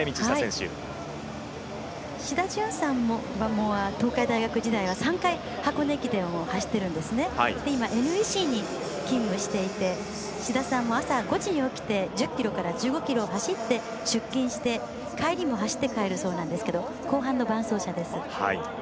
志田淳さんは東海大学時代は３回箱根駅伝を走っていまして今、ＮＥＣに勤務していて志田さんも朝５時に起きて１０ｋｍから１５ｋｍ走って出勤して帰りも走って帰るそうで後半の伴走者です。